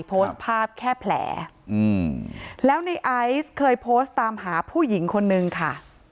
โพสต์ภาพแค่แผลอืมแล้วในไอซ์เคยโพสต์ตามหาผู้หญิงคนนึงค่ะ